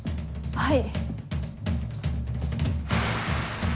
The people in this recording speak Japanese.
はい。